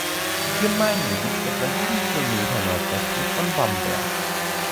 Die Gemeinde liegt etwa sieben Kilometer nordwestlich von Bamberg.